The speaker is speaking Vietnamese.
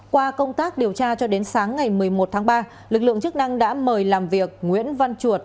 qua công tác điều tra cho đến sáng ngày một mươi một tháng ba lực lượng chức năng đã mời làm việc nguyễn văn chuột